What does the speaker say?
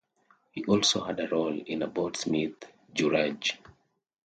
He also had a role in "About Smith Juraj".